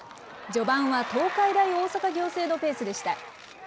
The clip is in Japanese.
序盤は東海大大阪仰星のペースでした。